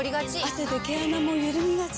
汗で毛穴もゆるみがち。